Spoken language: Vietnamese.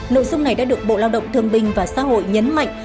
nội dung này đã được bộ lao động thương bình và xã hội nhấn mạnh